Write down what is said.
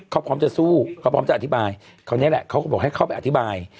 เขาพร้อมจะสู้เขาพร้อมจะอธิบายคราวนี้แหละเขาก็บอกให้เข้าไปอธิบาย